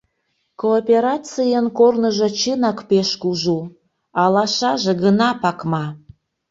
Кооперацийын корныжо чынак пеш кужу, алашаже гына пакма.